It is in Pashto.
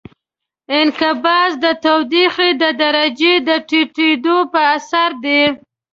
انقباض د تودوخې د درجې د ټیټېدو په اثر دی.